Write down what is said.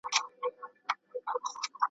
دا په دې چي غنم عقل ته تاوان دئ ,